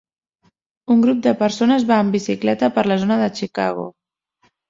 Un grup de persones van en bicicleta per la zona de Chicago.